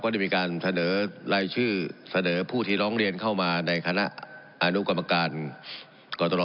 ได้มีการเสนอรายชื่อเสนอผู้ที่ร้องเรียนเข้ามาในคณะอนุกรรมการกตร